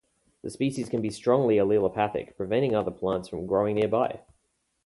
The species can be strongly allelopathic, preventing other plants from growing nearby.